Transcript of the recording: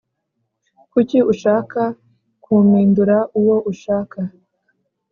Kucyi ushaka kumindura uwo ushaka